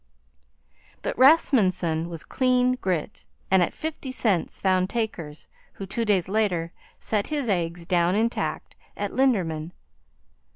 But Rasmunsen was clean grit, and at fifty cents found takers, who, two days later, set his eggs down intact at Linderman.